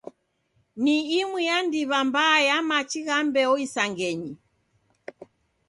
Ni imu ya ndiw'a mbaa ya machi gha mbeo isangenyi.